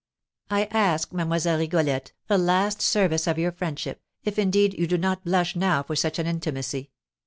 I ask, Mlle. Rigolette, a last service of your friendship, if, indeed, you do not blush now for such an intimacy.